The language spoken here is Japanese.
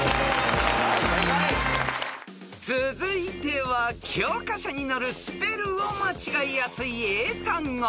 ［続いては教科書に載るスペルを間違えやすい英単語］